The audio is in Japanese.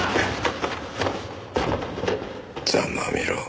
ざまあみろ。